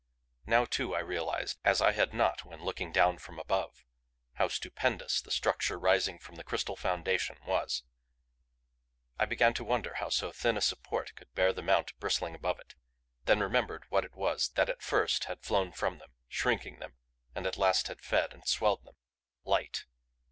Now, too, I realized, as I had not when looking down from above, how stupendous the structure rising from the crystal foundation was. I began to wonder how so thin a support could bear the mount bristling above it then remembered what it was that at first had flown from them, shrinking them, and at last had fed and swelled them. Light!